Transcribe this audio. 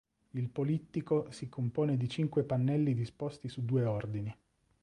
Il polittico si compone di cinque pannelli disposti su due ordini.